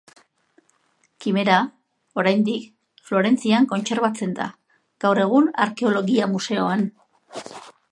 Kimera, oraindik Florentzian kontserbatzen da, gaur egun, arkeologia museoan.